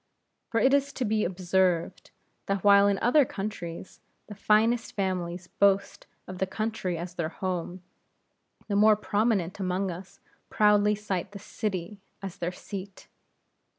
For it is to be observed, that while in other countries, the finest families boast of the country as their home; the more prominent among us, proudly cite the city as their seat.